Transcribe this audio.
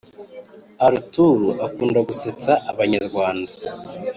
arthur akunda gusetsa abanyarwanda.